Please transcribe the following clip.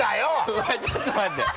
お前ちょっと待って。